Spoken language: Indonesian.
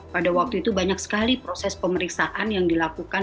pada waktu itu banyak sekali proses pemeriksaan yang dilakukan